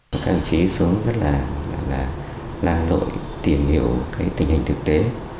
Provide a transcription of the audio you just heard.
các anh chí sớm rất là làm lội tìm hiểu tình hình thực tế